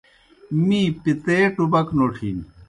می پِتَے ٹُبَک نوٹِھن۔